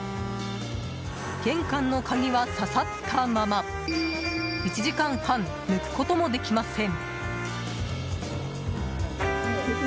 玄関の鍵は挿さったまま１時間半、抜くこともできません。